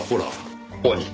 ここに。